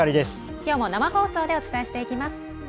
きょうも生放送でお伝えしていきます。